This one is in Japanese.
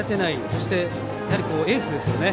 そしてエースですよね。